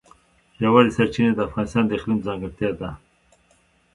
ژورې سرچینې د افغانستان د اقلیم ځانګړتیا ده.